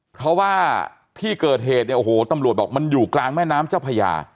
เพราะว่าที่เกิดเหตุเนี่ยโอ้โหตำรวจบอกมันอยู่กลางแม่น้ำเจ้าพญา